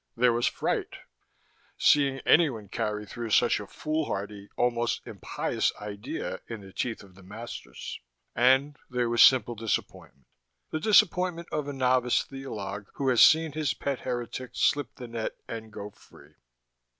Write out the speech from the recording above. There was fright, seeing anyone carry through such a foolhardy, almost impious idea in the teeth of the masters. And there was simple disappointment, the disappointment of a novice theologue who has seen his pet heretic slip the net and go free.